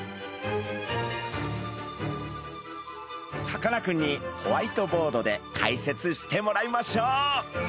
さかなクンにホワイトボードで解説してもらいましょう。